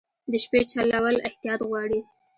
د شپې چلول احتیاط غواړي.